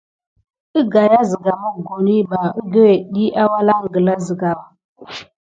Əgaya siga mokoni bà akudekene dik awulan gala kisia ɗe.